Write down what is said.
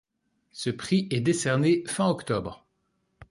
Ce prix est décerné fin octobre.